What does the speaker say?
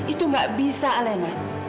itu gak bisa elena